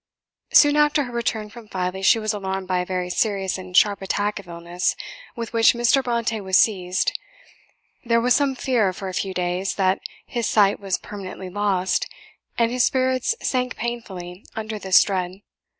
Soon after her return from Filey, she was alarmed by a very serious and sharp attack of illness with which Mr. Brontë was seized. There was some fear, for a few days, that his sight was permanently lost, and his spirits sank painfully under this dread.